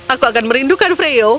aku akan merindukan freo